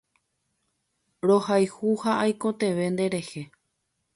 Rohayhu ha aikotevẽ nderehe